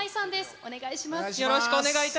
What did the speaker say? お願いします。